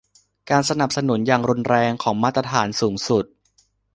การสนับสนุนอย่างรุนแรงของมาตรฐานสูงสุด